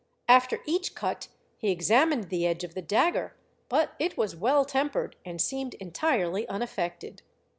After each cut he examined the edge of the dagger, but it was well tempered, and seemed entirely unaffected.